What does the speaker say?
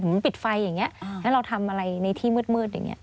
เหมือนมันปิดไฟอย่างเงี้ยอ่าแล้วเราทำอะไรในที่มืดมืดอย่างเงี้ย